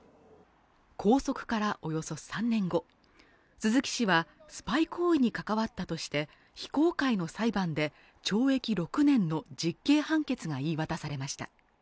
拘束からおよそ３年後、鈴木氏はスパイ行為に関わったとして非公開の裁判で懲役６年の実刑判決が言い渡されました。